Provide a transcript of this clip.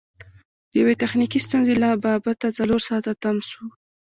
د یوې تخنیکي ستونزې له با بته څلور ساعته تم سو.